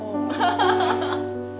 ハハハハ！